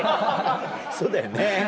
そうだよねぇ。